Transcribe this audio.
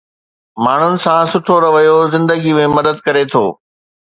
ماڻهن سان سٺو رويو زندگي ۾ مدد ڪري ٿو